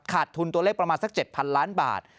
ทุนตัวเลขประมาณสัก๗๐๐ล้านบาท